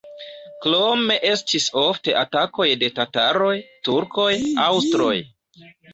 Krome estis ofte atakoj de tataroj, turkoj, aŭstroj.